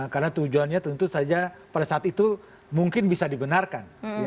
karena tujuannya tentu saja pada saat itu mungkin bisa dibenarkan